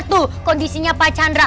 tuh kondisinya pak chandra